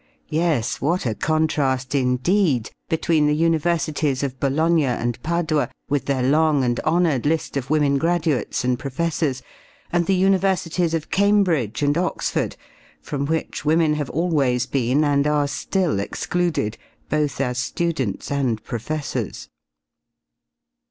Yes, what a contrast, indeed, between the Universities of Bologna and Padua, with their long and honored list of women graduates and professors, and the Universities of Cambridge and Oxford from which women have always been and are still excluded, both as students and professors.